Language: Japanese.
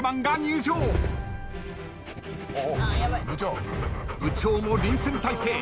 部長も臨戦態勢。